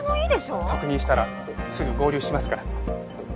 確認したらすぐ合流しますから。